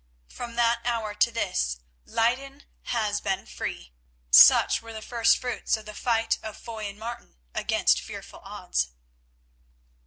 From that hour to this Leyden has been free. Such were the first fruits of the fight of Foy and Martin against fearful odds.